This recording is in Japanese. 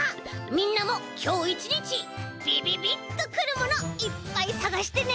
みんなもきょう１にちびびびっとくるものいっぱいさがしてね！